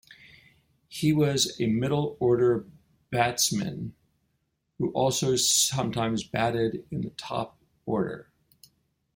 He was a middle order batsman who also sometimes batted in the top order.